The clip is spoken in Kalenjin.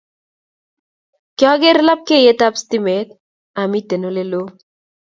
Kyoger lapkeiyet tab sitimet amiten oleloo